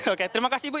oke terima kasih ibu